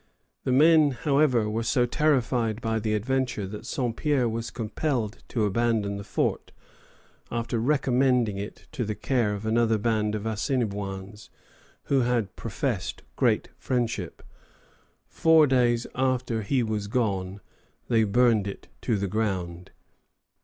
The men, however, were so terrified by the adventure that Saint Pierre was compelled to abandon the fort, after recommending it to the care of another band of Assinniboins, who had professed great friendship. Four days after he was gone they burned it to the ground.